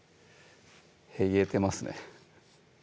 へぎれてますね